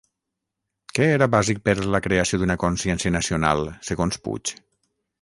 Què era bàsic per la creació d'una consciència nacional segons Puig?